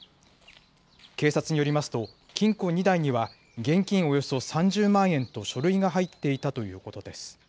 警察によりますと、金庫２台には現金およそ３０万円と書類が入っていたということです。